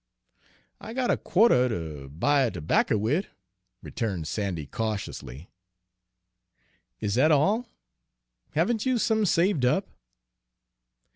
"I got a qua'ter ter buy terbacker wid," returned Sandy cautiously. "Is that all? Haven't you some saved up?"